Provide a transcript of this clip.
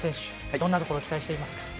どんなところ期待していますか？